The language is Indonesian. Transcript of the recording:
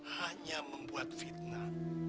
hanya membuat fitnah